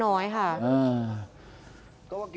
ก็เลยหนีได้เล็กน้อยค่ะ